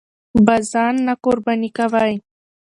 به ځان نه قرباني کوئ!